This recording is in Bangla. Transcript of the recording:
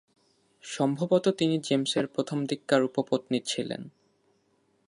সম্ভবত, তিনি জেমসের প্রথমদিককার উপপত্নী ছিলেন।